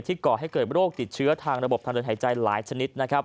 ก่อให้เกิดโรคติดเชื้อทางระบบทางเดินหายใจหลายชนิด